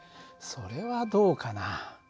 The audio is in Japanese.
それはどうかな。